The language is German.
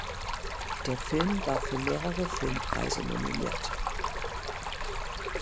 Der Film war für mehrere Filmpreise nominiert.